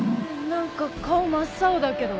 何か顔真っ青だけど。